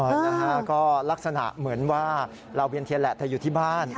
นะฮะก็ลักษณะเหมือนว่าเราเวียนเทียนแหละเธออยู่ที่บ้าน